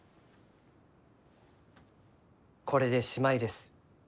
これでしまいです。